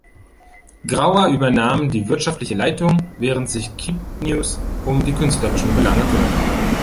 Grauer übernahm die wirtschaftliche Leitung, während sich Keepnews um die künstlerischen Belange kümmerte.